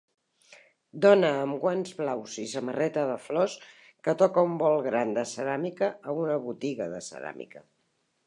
Dona amb guants blaus i samarreta de flors que toca un bol gran de ceràmica a una botiga de ceràmica.